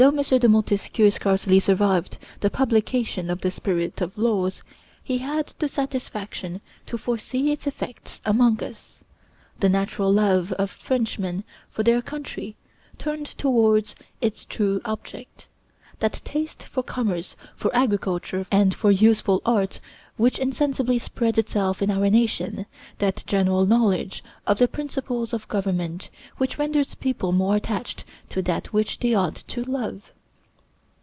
de Montesquieu scarcely survived the publication of the 'Spirit of Laws,' he had the satisfaction to foresee its effects among us; the natural love of Frenchmen for their country turned toward its true object; that taste for commerce, for agriculture, and for useful arts, which insensibly spreads itself in our nation; that general knowledge of the principles of government, which renders people more attached to that which they ought to love.